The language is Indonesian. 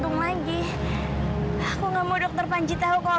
ma aku cuma gak mau berikan kita itu udah lagi